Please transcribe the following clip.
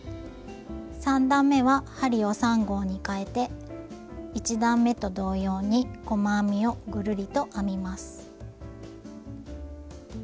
３段めは針を３号にかえて１段めと同様に細編みをぐるりと編みます。